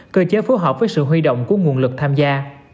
cơ chế phối hợp với sự huy động của nguồn lực tham gia